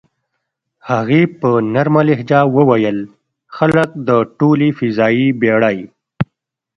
هغې په نرمه لهجه وویل: "خلک د ټولې فضايي بېړۍ.